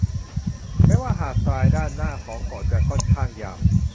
แม้ว่าหาดทรายด้านหน้าของเกาะจะค่อนข้างหยาบ